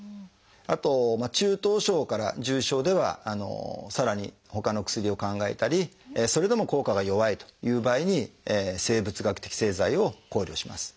あと中等症から重症ではさらにほかの薬を考えたりそれでも効果が弱いという場合に生物学的製剤を考慮します。